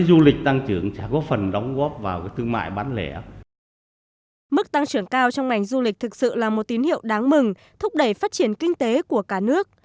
mức tăng trưởng cao trong ngành du lịch thực sự là một tín hiệu đáng mừng thúc đẩy phát triển kinh tế của cả nước